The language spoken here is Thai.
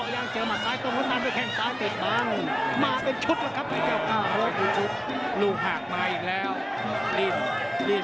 ยังเจอมาซ้ายตรงวดนั้นด้วยแข่งซ้ายติดมามาเป็นชุดแล้วครับอ้าวลูกหากมาอีกแล้วดิ้มดิ้ม